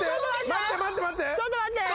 ちょっと待って。